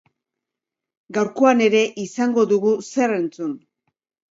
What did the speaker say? Gaurkoan ere izango dugu zer entzun.